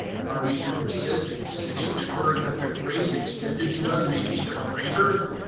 Are we to persist in sinning in order that the grace extended to us may be the greater?